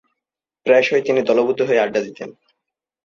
প্রায়শঃই তিনি দলবদ্ধ হয়ে আড্ডা দিতেন।